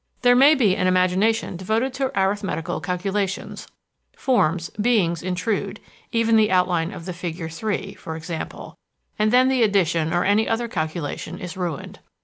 "There may be an imagination devoted to arithmetical calculations forms, beings intrude, even the outline of the figure 3, for example; and then the addition or any other calculation is ruined.